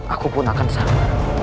aku pun akan salah